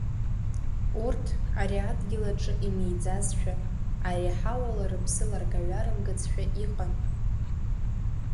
Урҭ ари адгьыл аҿы имиӡазшәа, ари аҳауала рыԥсы ларгаҩарымгацшәа иҟан.